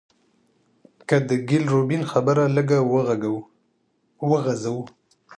که د ګيل روبين خبره لږه وغزوو